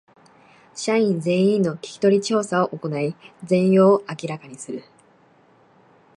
社員全員の聞き取り調査を行い全容を明らかにする